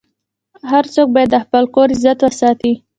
هر څوک باید د خپل کور عزت وساتي.